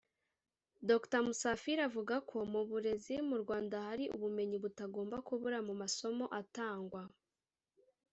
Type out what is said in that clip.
Dr Musafiri avuga ko mu burezi mu Rwanda hari ubumenyi butagomba kubura mu masomo atangwa